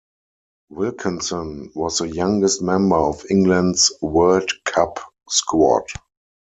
Wilkinson was the youngest member of England's World Cup squad.